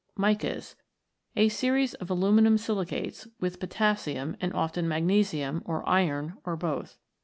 Micas. A series of aluminium silicates, with potassium, and < often with magnesium, or iron, or both.